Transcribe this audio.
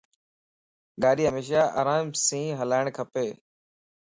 گاڏي ھيمشا آرام سين ھلاڻ کپ